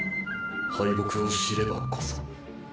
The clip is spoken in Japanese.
敗北を知ればこそ。